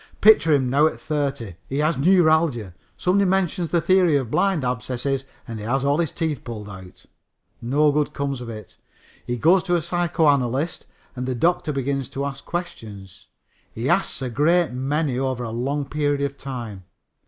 Picture him now at thirty he has neuralgia. Somebody mentions the theory of blind abscesses and he has all his teeth pulled out. No good comes of it. He goes to a psychoanalyst and the doctor begins to ask questions. He asks a great many over a long period of time.